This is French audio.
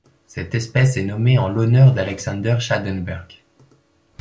Cette espèce est nommée en l'honneur d'Alexander Schadenberg.